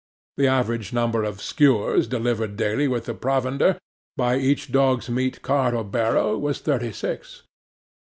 The average number of skewers delivered daily with the provender, by each dogs' meat cart or barrow, was thirty six.